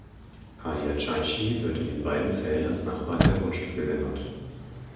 Padiaschaichi wird in beiden Fällen als Nachbar dieser Grundstücke genannt.